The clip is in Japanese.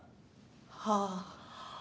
はあ。